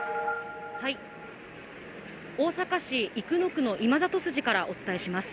大阪市生野区のいまざと筋からお伝えします。